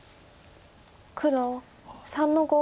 黒３の五。